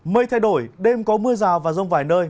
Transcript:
mây thay đổi đêm có mưa rào và rông vài nơi